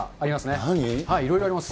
いろいろあります。